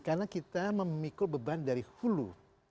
karena kita memikul beban dari hulu